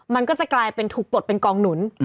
มันก็จะกลายเป็นถูกปลดเป็นกองหนุน